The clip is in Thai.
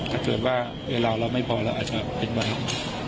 หากเถิดว่าเวลาเรามันไม่พอแล้วอาจจะเป็นเวลา